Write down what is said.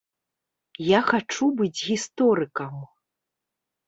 Я хачу быць гісторыкам.